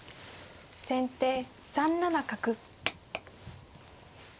先手３七角。